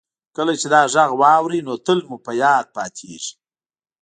کله چې دا غږ واورئ نو تل مو په یاد پاتې کیږي